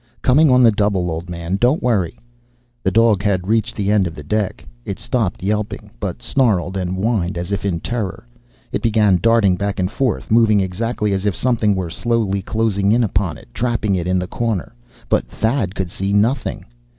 "Coming on the double, old man. Don't worry." The dog had reached the end of the deck. It stopped yelping, but snarled and whined as if in terror. It began darting back and forth, moving exactly as if something were slowly closing in upon it, trapping it in the corner. But Thad could see nothing.